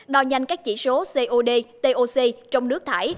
đo nhanh các chỉ số cod toc trong nước thải